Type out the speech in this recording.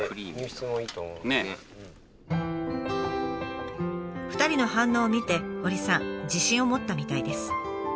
今は２人の反応を見て堀さん自信を持ったみたいです。